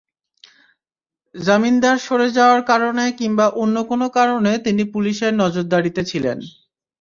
জামিনদার সরে যাওয়ার কারণে কিংবা অন্য কোনো কারণে তিনি পুলিশের নজরদারিতে ছিলেন।